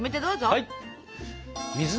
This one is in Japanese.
はい！